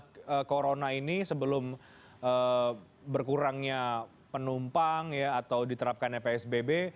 karena corona ini sebelum berkurangnya penumpang ya atau diterapkan fsbb